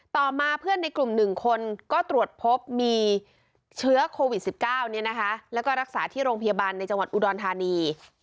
ต่อมาเพื่อนในกลุ่ม๑คนก็ตรวจพบมีเชื้อโควิด๑๙แล้วก็รักษาที่โรงพยาบาลในจังหวัดอุดรธานี